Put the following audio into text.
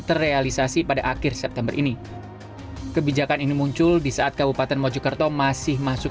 terrealisasi pada akhir september ini kebijakan ini muncul di saat kabupaten mojokerto masih masuk